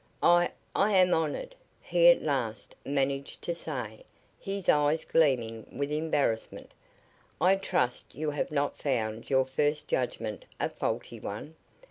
"I I am honored," he at last managed to say, his eyes gleaming with embarrassment. "I trust you have not found your first judgment a faulty one."